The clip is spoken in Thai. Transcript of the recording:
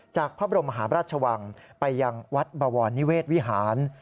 จากพระบรมหาบราชวังไปยังวัดบวรนิเวศวิหาร